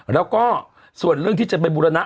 แล้วก็ส่วนเรื่องที่จะไปบุรณะ